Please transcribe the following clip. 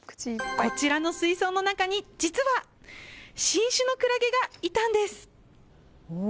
こちらの水槽の中に、実は新種のクラゲがいたんです。